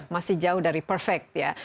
masih jauh dari perfect ya